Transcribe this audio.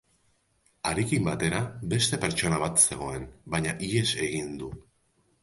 Harekin batera beste pertsona bat zegoen, baina ihes egin du.